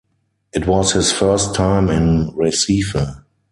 It was his first time in Recife.